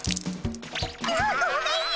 ああっごめんよ！